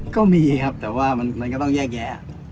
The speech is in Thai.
ก็มีครับแต่ว่ามันก็ต้องแยกแยะ